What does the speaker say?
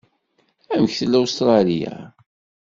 Amek tella Ustṛalya?